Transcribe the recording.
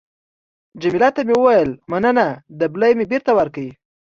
جميله ته مې وویل: مننه. دبلی مې بېرته ورکړ.